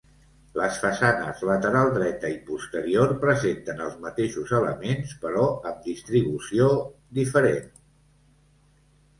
Les façanes lateral dreta i posterior presenten els mateixos elements però amb distribució diferent.